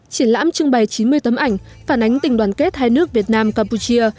triển lãm trưng bày chín mươi tấm ảnh phản ánh tình đoàn kết hai nước việt nam campuchia